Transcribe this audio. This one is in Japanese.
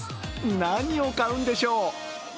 何を買うんでしょう？